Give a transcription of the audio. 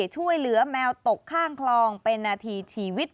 ช่วยเหลือแมวตกข้างคลองเป็นนาทีชีวิต